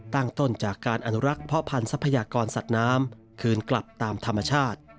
ตั้งต้นจากการอนุรักษ์เพาะพันธักรสัตว์น้ำคืนกลับตามธรรมชาติ